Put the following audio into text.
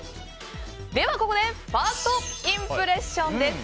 では、ここでファーストインプレッションです。